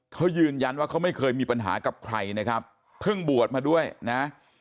เขายืนยันว่าเขาไม่เคยมีปัญหากับใครนะครับเพิ่งบวชมาด้วยนะ